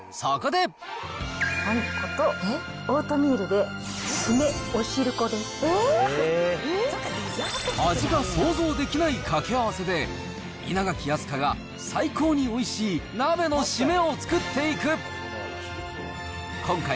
あんことオートミールで、味が想像できない掛け合わせで、稲垣飛鳥が最高においしい鍋の締めを作っていく。